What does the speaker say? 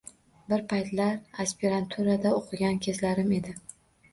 Bir paytlar aspiranturada oʻqigan kezlarim edi.